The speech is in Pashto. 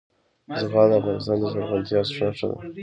زغال د افغانستان د زرغونتیا نښه ده.